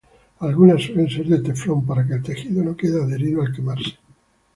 Algunas suelen ser de teflón para que el tejido no quede adherido al quemarse.